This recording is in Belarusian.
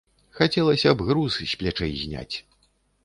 Хацелася б груз з плячэй зняць.